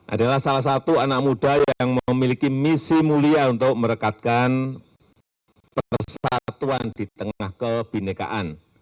adalah salah satu anak muda yang memiliki misi mulia untuk merekatkan persatuan di tengah kebinekaan